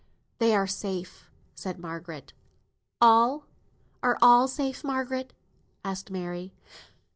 "They are safe," said Margaret. "All? Are all safe, Margaret?" asked Mary.